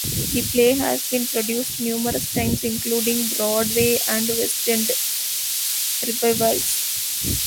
The play has been produced numerous times, including Broadway and West End revivals.